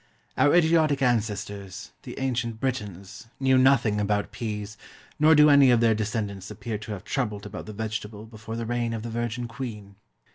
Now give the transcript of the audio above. Our idiotic ancestors, the ancient Britons, knew nothing about peas, nor do any of their descendants appear to have troubled about the vegetable before the reign of the Virgin Queen.